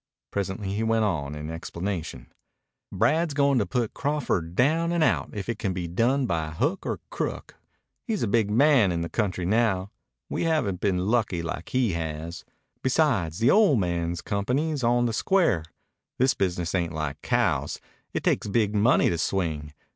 Presently he went on, in explanation: "Brad's goin' to put Crawford down and out if it can be done by hook or crook. He's a big man in the country now. We haven't been lucky, like he has. Besides, the ol' man's company's on the square. This business ain't like cows. It takes big money to swing.